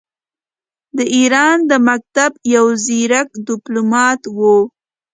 د ایران د مکتب یو ځیرک ډیپلوماټ وو.